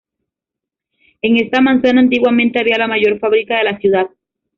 En esta manzana antiguamente había la mayor fábrica de la ciudad.